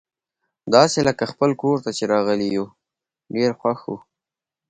داسي لکه خپل کور ته چي راغلي یو، ډېر خوښ وو.